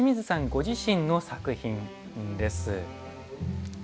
ご自身の作品です。